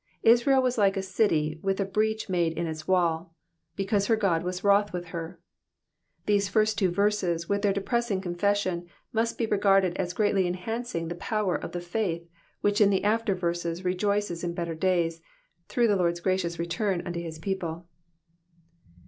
Israel was like a city with a breach made in its wall, because her God was wroth with her. These first two verses, with their depressing confession, must be regarded as greatly enhancing the power of the faith which in the after ▼erses rejoices in better days, through the Lord's gracious return unto his people.